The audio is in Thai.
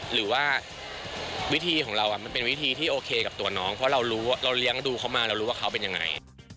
หรือว่าวิธีของเรามันเป็นวิธีที่โอเคกับตัวน้องเพราะเรารู้เราเลี้ยงดูเขามาเรารู้ว่าเขาเป็นยังไง